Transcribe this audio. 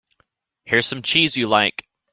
Here's some cheese you like.